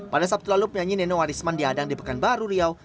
pada sabtu lalu penyanyi neno warisman diadang di pekanbaru riau